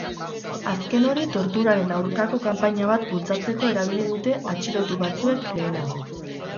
Azken hori torturaren aurkako kanpaina bat bultzatzeko erabili dute atxilotu batzuek lehenago.